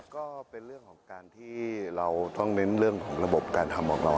ก็เป็นเรื่องของการที่เราต้องเน้นเรื่องของระบบการทำของเรา